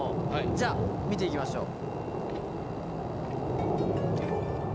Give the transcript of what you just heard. じゃあ見ていきましょう。